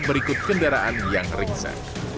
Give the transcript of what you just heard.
berikut kendaraan yang riksa